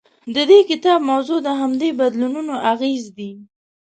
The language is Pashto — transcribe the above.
د دې کتاب موضوع د همدې بدلونونو اغېز دی.